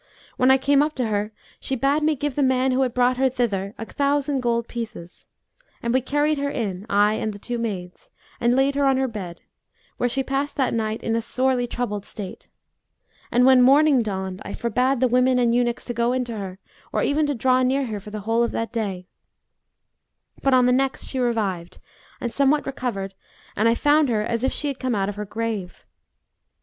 When I came up to her, she bade me give the man who had brought her thither a thousand gold pieces; and we carried her in, I and the two maids, and laid her on her bed; where she passed that night in a sorely troubled state; and, when morning dawned, I forbade the women and eunuchs to go in to her, or even to draw near her for the whole of that day; but on the next she revived and somewhat recovered and I found her as if she had come out of her grave.